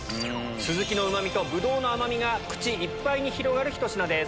スズキのうまみとブドウの甘みが口いっぱいに広がるひと品です。